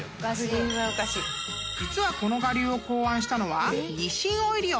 ［実はこの我流を考案したのは日清オイリオ］